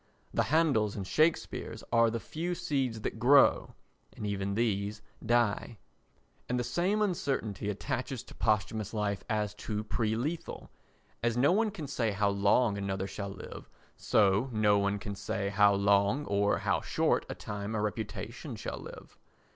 The Handels and Shakespeares are the few seeds that grow—and even these die. And the same uncertainty attaches to posthumous life as to pre lethal. As no one can say how long another shall live, so no one can say how long or how short a time a reputation shall live.